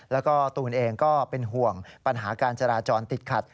แล้วก็ตูนเองก็เป็นห่วงปัญหาการจราจรติดขัด